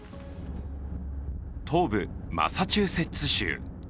東部マサチューセッツ州。